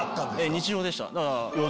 日常でした。